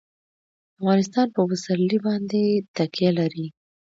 افغانستان په پسرلی باندې تکیه لري.